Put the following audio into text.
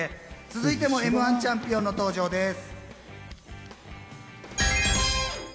続いてもМ‐１チャンピオンの登場です。